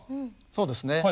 そうですね。